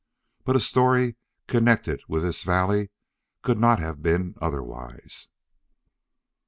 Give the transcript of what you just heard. But a story connected with this valley could not have been otherwise.